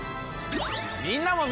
みんなも。